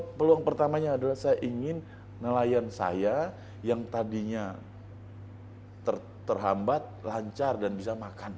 nah peluang pertamanya adalah saya ingin nelayan saya yang tadinya terhambat lancar dan bisa makan